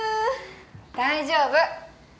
大丈夫！